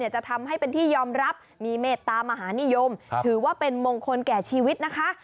จะทำให้เป็นที่ยอมรับมีเมตตามหานิยมถือว่าเป็นมงคลแก่ชีวิตนะคะ